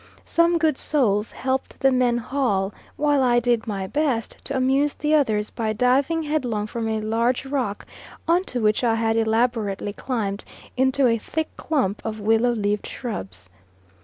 Some good souls helped the men haul, while I did my best to amuse the others by diving headlong from a large rock on to which I had elaborately climbed, into a thick clump of willow leaved shrubs.